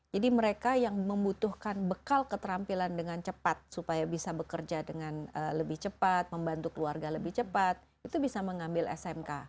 jadi mereka yang membutuhkan bekal keterampilan dengan cepat supaya bisa bekerja dengan lebih cepat membantu keluarga lebih cepat itu bisa mengambil smk